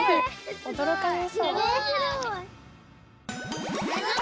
おどろかれそう。